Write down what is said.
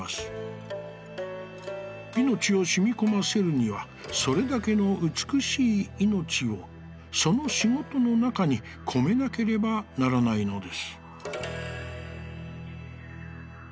生命をしみこませるにはそれだけの美しい生命をその仕事の中にこめなければならないのです」。